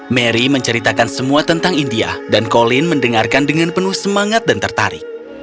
mary menceritakan semua tentang india dan colin mendengarkan dengan penuh semangat dan tertarik